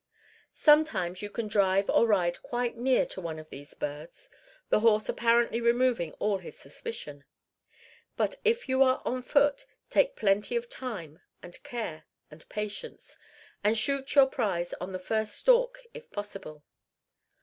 Sometimes you can drive or ride quite near to one of these birds, the horse apparently removing all his suspicion. But if you are on foot, take plenty of time and care and patience, and shoot your prize on the first stalk if possible.